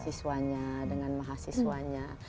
siswanya dengan mahasiswanya